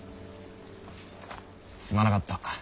すまなかった。